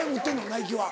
ナイキは。